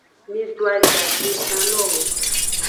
Mido ajagbe can nowo.